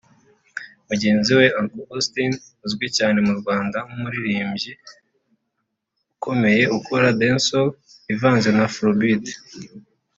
mugenzi we Uncle Austin azwi cyane mu Rwanda nk’umuririmbyi ukomeye ukora Dancehall ivanze na Afrobeat